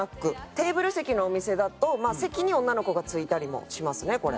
テーブル席のお店だと席に女の子がついたりもしますねこれ。